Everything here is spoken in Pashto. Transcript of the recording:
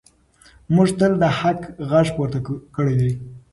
موږ تل د حق غږ پورته کړی دی.